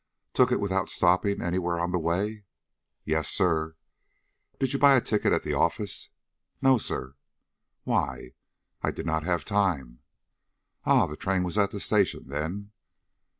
"Took it without stopping anywhere on the way?" "Yes, sir." "Did you buy a ticket at the office?" "No, sir." "Why?" "I did not have time." "Ah, the train was at the station, then?"